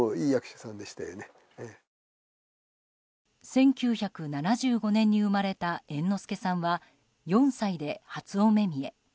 １９７５年に生まれた猿之助さんは４歳で初お目見え。